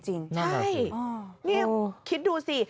ใช่นี่คิดดูสิ